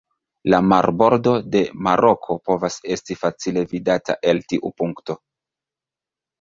La marbordo de Maroko povas esti facile vidata el tiu punkto.